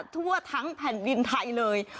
ทั่วทั้งแผ่นดินไทยเลย